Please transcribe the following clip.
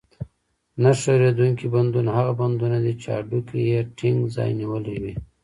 نه ښورېدونکي بندونه هغه بندونه دي چې هډوکي یې ټینګ ځای نیولی وي.